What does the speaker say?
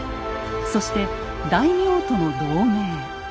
そして大名との同盟。